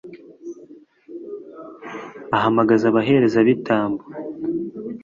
ahamagaza abaherezabitambo